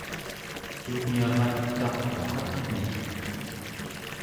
tumyarat taqu͡rratni